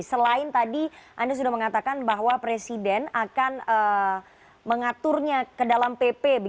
selain tadi anda sudah mengatakan bahwa presiden akan mengaturnya ke dalam pp